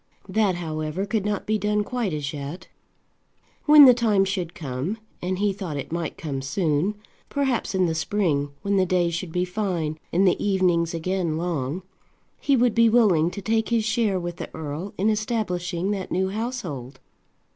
That, however, could not be done quite as yet. When the time should come, and he thought it might come soon, perhaps in the spring, when the days should be fine and the evenings again long, he would be willing to take his share with the earl in establishing that new household.